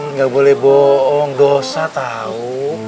nggak boleh bohong dosa tahu